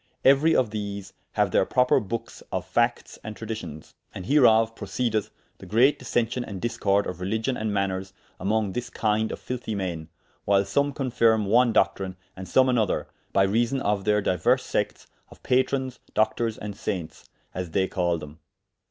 Euery of these haue their proper bookes of factes and traditions. And hereof proceedeth the great dissention and discorde of religion and maners among this kynde of filthie men, whyle some confirm one doctrine, and some another, by reason of theyr dyuers sectes of Patrons, Doctours, and Saintes, as they call them.